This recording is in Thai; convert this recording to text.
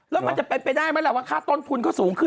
แล้วมันจะเป็นไปได้ไหมล่ะว่าค่าต้นทุนเขาสูงขึ้น